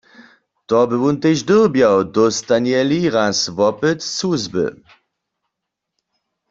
To by wón tež dyrbjał, dóstanje-li raz wopyt z cuzby.